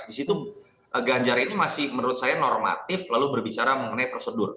di situ ganjar ini masih menurut saya normatif lalu berbicara mengenai prosedur